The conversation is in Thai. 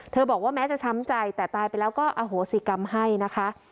บอกว่าแม้จะช้ำใจแต่ตายไปแล้วก็อโหสิกรรมให้นะคะ